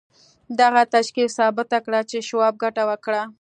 دغه تشکیل ثابته کړه چې شواب ګټه وکړه